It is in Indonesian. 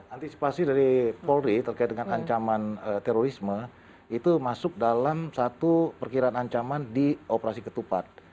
antisipasi dari polri terkait dengan ancaman terorisme itu masuk dalam satu perkiraan ancaman di operasi ketupat